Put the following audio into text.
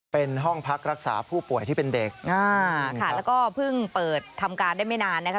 เป็นห้องพักรักษาผู้ป่วยที่เป็นเด็กอ่าค่ะแล้วก็เพิ่งเปิดทำการได้ไม่นานนะคะ